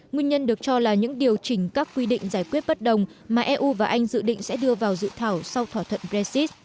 nguyên nhân được cho là những điều chỉnh các quy định giải quyết bất đồng mà eu và anh dự định sẽ đưa vào dự thảo sau thỏa thuận brexit